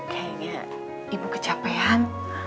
kayaknya ibu kecapean